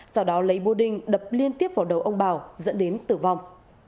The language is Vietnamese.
sau đó lấy bô đinh đập liên tiếp vào đầu ông bảo dẫn đến tử vong